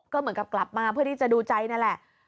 ก็เหมือนกับกลับมาเพื่อที่จะดูใจนั่นแหละ